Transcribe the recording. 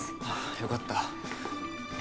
よかった